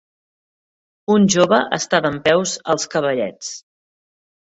Un jove està dempeus als cavallets.